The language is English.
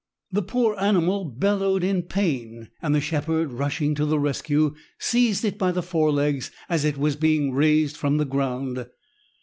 The poor animal bellowed in pain, and the shepherd, rushing to the rescue, seized it by the forelegs as it was being raised from the ground.